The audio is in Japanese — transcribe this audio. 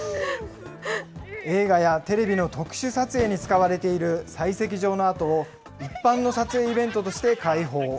映画やテレビの特殊撮影に使われている採石場の跡を、一般の撮影イベントとして開放。